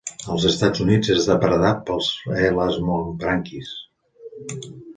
Als Estats Units és depredat per elasmobranquis.